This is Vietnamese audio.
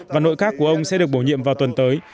và nội các của ông sẽ được bổ nhiệm vào tuần tới